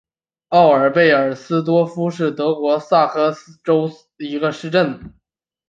奥尔贝尔斯多夫是德国萨克森州的一个市镇。